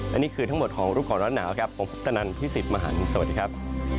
และนี่คือทั้งหมดของรูปกรณ์รัฐหนาวผมพุทธนันทร์พี่สิทธิ์มหันธ์สวัสดีครับ